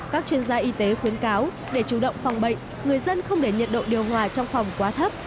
các chuyên gia y tế khuyến cáo để chủ động phòng bệnh người dân không để nhiệt độ điều hòa trong phòng quá thấp